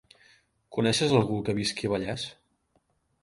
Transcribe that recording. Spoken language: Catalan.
Coneixes algú que visqui a Vallés?